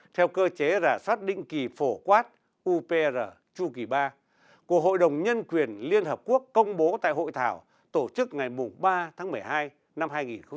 theo cơ chế rà soát định kỳ phổ quát upr chu kỳ ba của hội đồng nhân quyền liên hợp quốc công bố tại hội thảo tổ chức ngày ba tháng một mươi hai năm hai nghìn một mươi chín